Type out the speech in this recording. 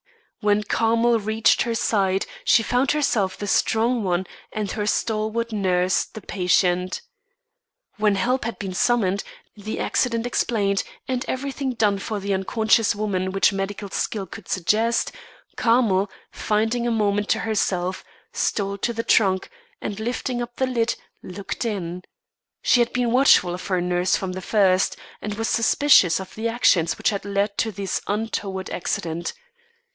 When Carmel reached her side, she found herself the strong one and her stalwart nurse the patient. When help had been summoned, the accident explained, and everything done for the unconscious woman which medical skill could suggest, Carmel, finding a moment to herself, stole to the trunk, and, lifting up the lid, looked in. She had been watchful of her nurse from the first, and was suspicious of the actions which had led to this untoward accident.